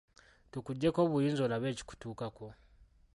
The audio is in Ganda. Tukuggyeeko obuyinza olabe ekikutuukako?